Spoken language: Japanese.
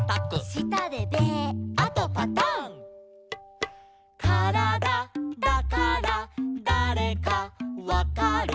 「したでベー」「あとパタン」「からだだからだれかわかる」